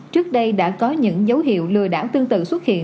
trước đây đã có những dấu hiệu lừa đảo tương tự xuất hiện